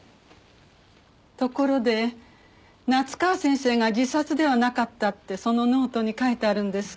ところで夏河先生が自殺ではなかったってそのノートに書いてあるんですか？